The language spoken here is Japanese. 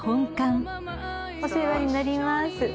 お世話になります。